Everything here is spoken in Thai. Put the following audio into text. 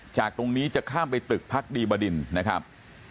จากตรงนี้จะข้ามไปตึกพักดีบดินนะครับ